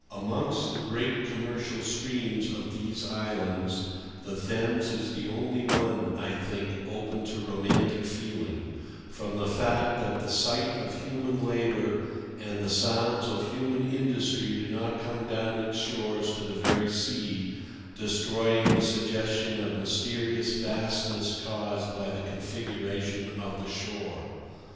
Amongst the great commercial streams of these islands, the Thames is the only one, I think, open to romantic feeling, from the fact that the sight of human labour and the sounds of human industry do not come down its shores to the very sea, destroying the suggestion of mysterious vastness caused by the configuration of the shore.